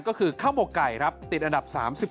ก็คือข้าวหมกไก่ครับติดอันดับ๓๗